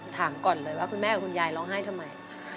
ถามก่อนเลยว่าคุณแม่กับคุณยายร้องไห้ทำไม